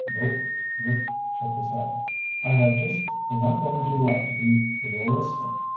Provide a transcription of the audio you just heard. "Nope." Rick shook his head. "I have just enough energy left to be realistic.